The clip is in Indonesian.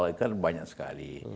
itu kan banyak sekali